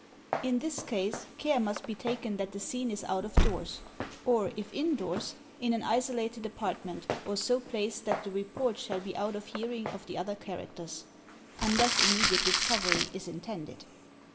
In this case, care must be taken that the scene is out of doors; or, if indoors, in an isolated apartment or so placed that the report shall be out of hearing of the other characters, unless immediate discovery is intended.